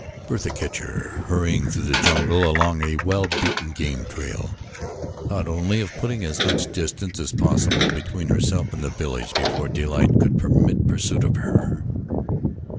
Bertha Kircher, hurrying through the jungle along a well beaten game trail, thought only of putting as much distance as possible between herself and the village before daylight could permit pursuit of her.